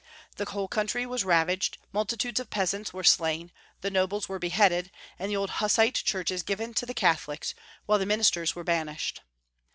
The whole country was ravaged, multitudes of peasants were slain, the nobles were beheaded, and all the old Hussite churches given to the Catholics, while the ministers were banished.